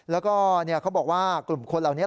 แล้วก็เขาบอกว่ากลุ่มคนเหล่านี้